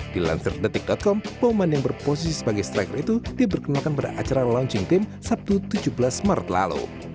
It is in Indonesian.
dilansir detik com bauman yang berposisi sebagai striker itu diperkenalkan pada acara launching team sabtu tujuh belas maret lalu